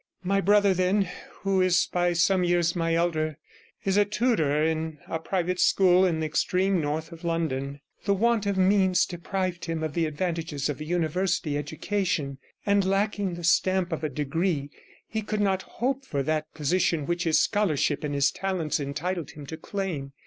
My brother, then, who is by some years my elder, is a tutor in a private school in the extreme north of London. The want of means deprived him of the advantages of a University education; and lacking the stamp of a degree, he could not hope for that position which his scholarship and his talents entitled him to claim.